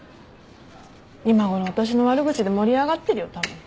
今ごろ私の悪口で盛り上がってるよたぶん。